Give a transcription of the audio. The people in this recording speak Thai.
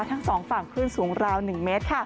ส่วนในระยะนี้หลายพื้นที่ยังคงพบเจอฝนตกหนักได้ค่ะ